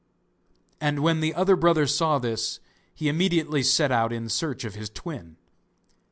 And when the other brother saw this, he immediately set out in search of his twin.